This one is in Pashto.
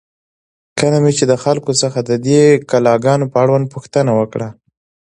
کله مې چې د خلکو څخه د دې کلا گانو په اړوند پوښتنه وکړه،